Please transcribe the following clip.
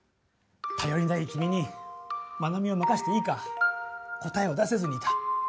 たよりない君にまなみをまかせていいか答えを出せずにいた。